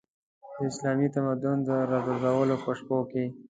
د اسلامي تمدن د راپرځېدلو په شپو کې.